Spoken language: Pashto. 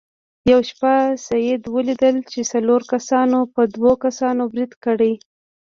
یوه شپه سید ولیدل چې څلورو کسانو په دوو کسانو برید کړی.